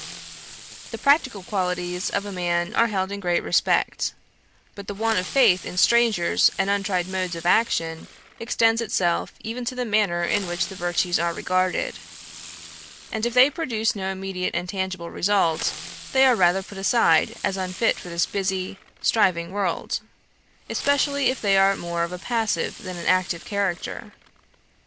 The practical qualities of a man are held in great respect; but the want of faith in strangers and untried modes of action, extends itself even to the manner in which the virtues are regarded; and if they produce no immediate and tangible result, they are rather put aside as unfit for this busy, striving world; especially if they are more of a passive than an active character.